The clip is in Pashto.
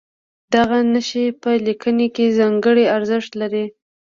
دغه نښې په لیکنه کې ځانګړی ارزښت لري.